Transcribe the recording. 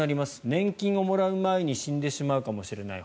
年金をもらう前に死んでしまうかもしれない。